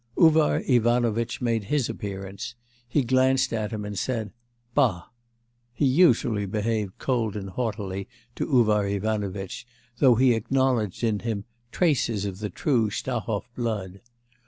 Uvar Ivanovitch made his appearance; he glanced at him and said, 'bah!' He usually behaved coldly and haughtily to Uvar Ivanovitch, though he acknowledged in him 'traces of the true Stahov blood.